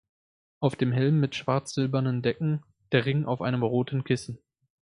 Auf dem Helm mit schwarz-silbernen Decken der Ring auf einem roten Kissen.